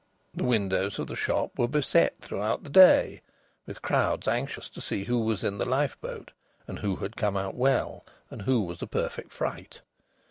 The windows of the shop were beset throughout the day with crowds anxious to see who was in the lifeboat, and who had come out well, and who was a perfect fright.